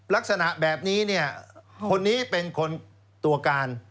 ลักษณะแบบนี้เนี่ยคนนี้เป็นคนตัวการ